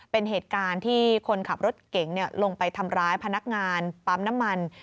เป็นเหตุการณ์ที่คนขับรถเก๋งลงไปทำร้ายพนักงานปั๊มน้ำมัน